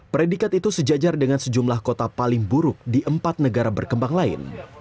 predikat itu sejajar dengan sejumlah kota paling buruk di empat negara berkembang lain